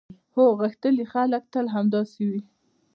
هو، غښتلي خلک تل همداسې وي.